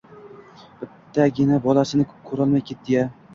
Bittagina bolasini ko‘rolmay ketdi-ya!